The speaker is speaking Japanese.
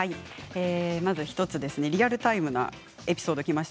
まず１つリアルタイムなエピソードがきました。